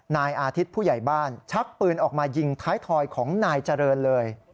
นายอาทิตย์ผู้ใหญ่บ้านชักปืนออกมายิงท้ายทอยของนายเจริญเลย